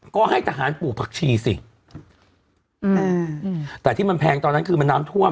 ก็ให้ทหารปลูกผักชีสิอืมแต่ที่มันแพงตอนนั้นคือมันน้ำท่วม